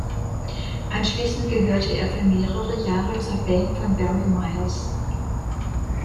Anschließend gehörte er für mehrere Jahre zur Band von Barry Miles.